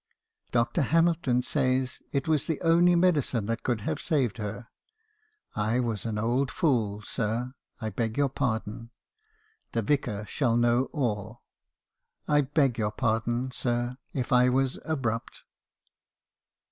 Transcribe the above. "'Dr. Hamilton says, it was the only medicine that could have saved her. I was an old fool, sir. I beg your pardon. The Vicar shall know all. I beg your pardon, sir, if I was abrupt.'